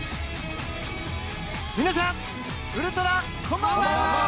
皆さん、ウルトラこんばんは！